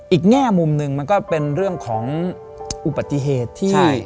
แง่มุมหนึ่งมันก็เป็นเรื่องของอุบัติเหตุที่